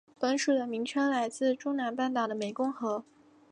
本属的名称来自中南半岛的湄公河。